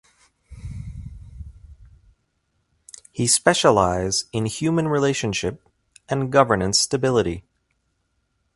He specialize in human relationship and governance stability.